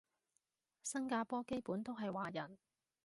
新加坡基本都係華人